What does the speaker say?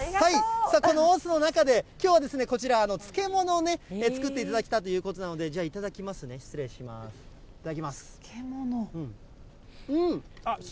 このおっすの中で、きょうはこちら、漬物を作っていただけたということなので、じゃあ、いただきますね、失礼します。